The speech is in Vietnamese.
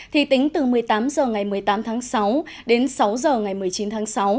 thì tính từ một mươi tám h ngày một mươi tám tháng sáu đến sáu h ngày một mươi chín tháng sáu